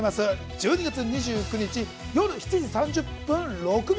１２月２９日午後７時３０分６秒。